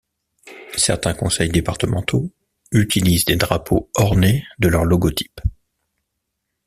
Certains conseils départementaux utilisent des drapeaux ornés de leur logotype.